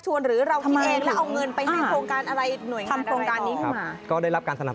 สนุนโดยอีซุสุข